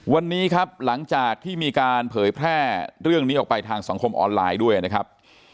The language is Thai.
วันนี้ครับหลังจากที่มีการเผยแพร่เรื่องนี้ออกไปทางสังคมออนไลน์ด้วยนะครับ